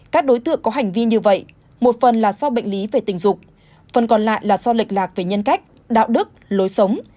các đối tượng có hành vi như vậy một phần là do bệnh lý về tình dục phần còn lại là do lệch lạc về nhân cách đạo đức lối sống